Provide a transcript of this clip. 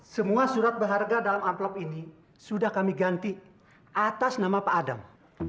semua surat berharga dalam amplop ini sudah kami ganti atas nama pak adam